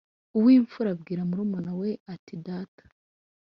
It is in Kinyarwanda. Uw imfura abwira murumuna we ati Data